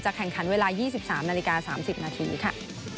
แข่งขันเวลา๒๓นาฬิกา๓๐นาทีค่ะ